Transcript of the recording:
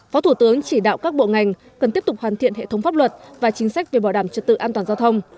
phó thủ tướng chỉ đạo các bộ ngành cần tiếp tục hoàn thiện hệ thống pháp luật và chính sách về bảo đảm trật tự an toàn giao thông